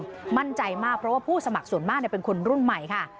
สามเขตเดิมมั่นใจมากเพราะว่าผู้สมัครส่วนมากเนี่ยเป็นคนรุ่นใหม่ค่ะ